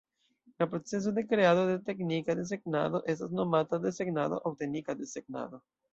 La procezo de kreado de teknika desegnado estas nomata desegnado aŭ teknika desegnado.